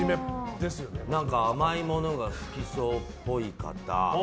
甘いものが好きそうっぽい方。